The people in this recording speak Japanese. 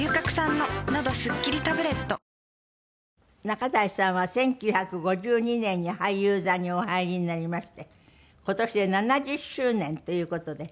仲代さんは１９５２年に俳優座にお入りになりまして今年で７０周年という事で。